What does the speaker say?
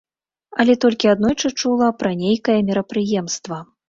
Але толькі аднойчы чула пра нейкае мерапрыемства.